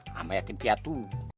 sama yatim piatu